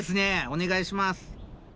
お願いします。